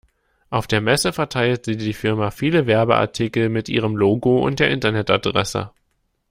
Auf der Messe verteilte die Firma viele Werbeartikel mit ihrem Logo und der Internetadresse.